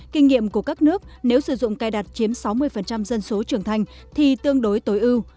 kinh nghiệm của các nước nếu sử dụng cài đặt chiếm sáu mươi dân số trưởng thành thì tương đối tối ưu